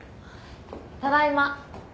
ただいま。